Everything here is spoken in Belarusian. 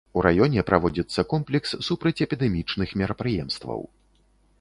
У раёне праводзіцца комплекс супрацьэпідэмічных мерапрыемстваў.